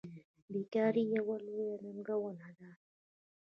بیکاري یوه لویه ننګونه ده.